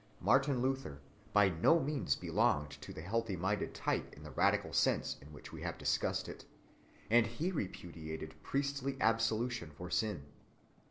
Martin Luther by no means belonged to the healthy‐minded type in the radical sense in which we have discussed it, and he repudiated priestly absolution for sin.